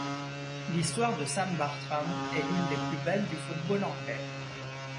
L'histoire de Sam Bartram, est l'une des plus belles du football anglais.